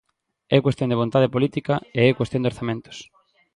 É cuestión de vontade política e é cuestión de orzamentos.